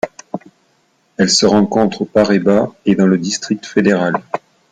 Elle se rencontre au Paraíba et dans le District fédéral.